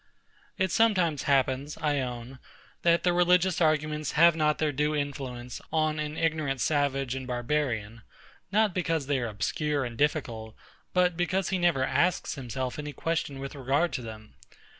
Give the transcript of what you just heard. It sometimes happens, I own, that the religious arguments have not their due influence on an ignorant savage and barbarian; not because they are obscure and difficult, but because he never asks himself any question with regard to them.